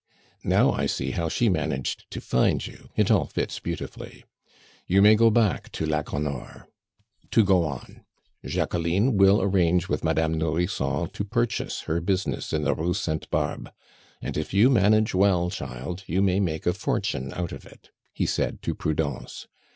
"Now I see how she managed to find you. It all fits beautifully. You may go back to la Gonore. To go on: Jacqueline will arrange with Madame Nourrisson to purchase her business in the Rue Sainte Barbe; and if you manage well, child, you may make a fortune out of it," he said to Prudence.